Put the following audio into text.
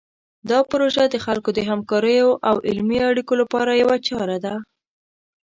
دا پروژه د خلکو د همکاریو او علمي اړیکو لپاره یوه چاره ده.